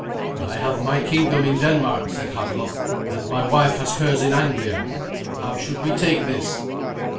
"I have my kingdom in Denmark," said Havelok, "and my wife has hers in Anglia. How should we take this?